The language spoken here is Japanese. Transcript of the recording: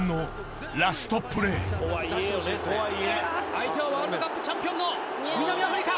相手はワールドカップチャンピオンの南アフリカ！